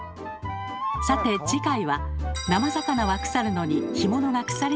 さて次回は「生魚は腐るのに干物が腐りにくいのはなぜ？」